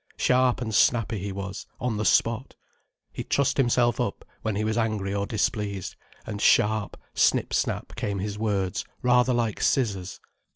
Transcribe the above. Sharp and snappy, he was, on the spot. He trussed himself up, when he was angry or displeased, and sharp, snip snap came his words, rather like scissors.